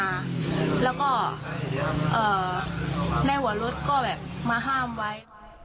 แล้วก็เอ่อในหัวรถก็แบบมาห้ามไว้